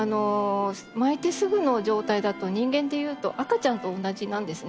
まいてすぐの状態だと人間でいうと赤ちゃんと同じなんですね。